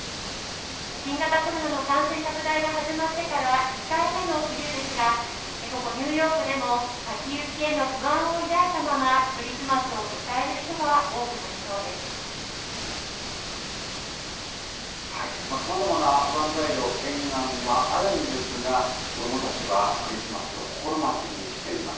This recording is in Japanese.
新型コロナの感染拡大が始まってから２回目の冬ですが、ここニューヨークでも先行きへの不安を抱いたままクリスマスを迎さまざまな不安材料、懸案はあるんですが、子どもたちはクリスマスを心待ちにしています。